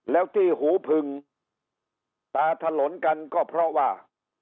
แล้วที่หูผึงตาถลนกันก็เพราะว่า